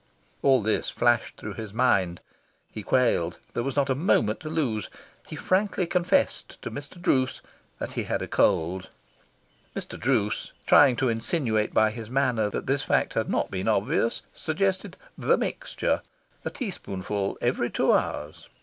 All this flashed through his mind. He quailed. There was not a moment to lose. He frankly confessed to Mr. Druce that he had a cold. Mr. Druce, trying to insinuate by his manner that this fact had not been obvious, suggested the Mixture a teaspoonful every two hours.